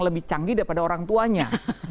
lebih canggih daripada orang tuanya